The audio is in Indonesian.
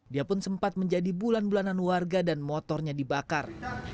dia pun sempat menjadi bulan bulanan warga dan motornya dibakar